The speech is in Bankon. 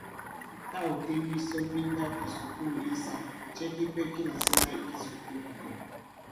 Tâ ɔ̀ ten misɔn mi nndawkìsùkulù insāk, cɛ kipɛ ki làsɛ̀la i kisùkulù ?